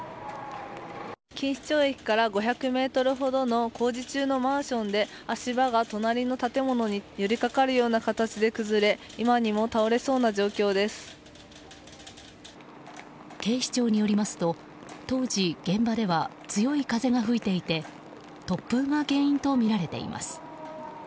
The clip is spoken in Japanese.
錦糸町駅から５００ｍほどの工事中のマンションで足場が隣の建物に寄りかかるような形で崩れ警視庁によりますと当時現場では強い風が吹いていて突風が原因とみられています。